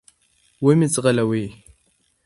و مي ځغلوی .